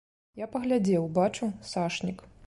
Я паглядзеў, бачу, сашнік.